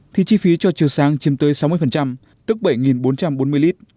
thì chi phí cho chiều sáng chiếm tới sáu mươi tức bảy bốn trăm bốn mươi lít